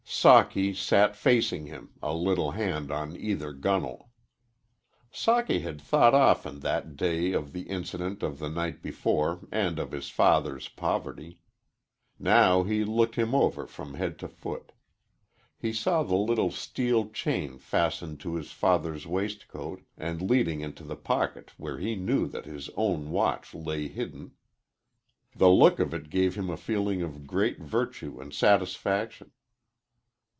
Socky sat facing him, a little hand on either gunwale. Socky had thought often that day of the incident of the night before and of his father's poverty. Now he looked him over from head to foot. He saw the little steel chain fastened to his father's waistcoat and leading into the pocket where he knew that his own watch lay hidden. The look of it gave him a feeling of great virtue and satisfaction.